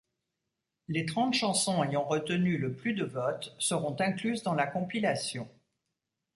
Les trente chansons ayant retenu le plus de votes seront incluses dans la compilation.